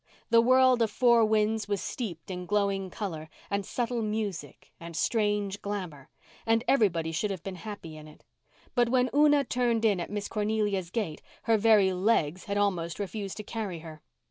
The world of Four Winds was steeped in glowing colour, and subtle music, and strange glamour, and everybody should have been happy in it. But when Una turned in at Miss Cornelia's gate her very legs had almost refused to carry her.